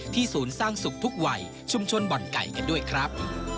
ศูนย์สร้างสุขทุกวัยชุมชนบ่อนไก่กันด้วยครับ